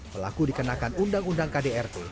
pelaku dikenakan undang undang kdrt